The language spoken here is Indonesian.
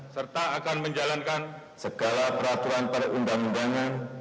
serta akan menjalankan segala peraturan perundang undangan